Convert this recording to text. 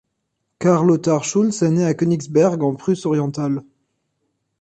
Karl-Lothar Schulz est né à Königsberg en Prusse-Orientale.